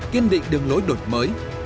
kiên định đường lối đổi mới